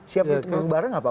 siap untuk duduk bareng apa